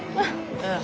ああ。